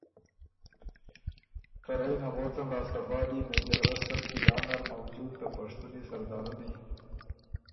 ته رئ نغوڅن لاسته بعد يې مېجر رسل قلعه نر موجود ته پشتُونی سردارنی